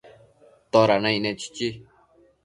¿toda naicne?chichi